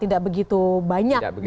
tidak begitu banyak syaratannya